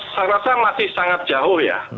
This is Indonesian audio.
saya rasa masih sangat jauh ya